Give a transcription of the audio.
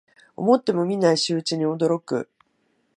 思ってもみない仕打ちに驚く